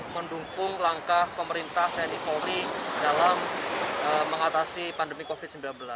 mendukung langkah pemerintah tni polri dalam mengatasi pandemi covid sembilan belas